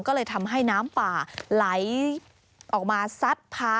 ก็เลยทำให้น้ำป่าไหลออกมาซัดพา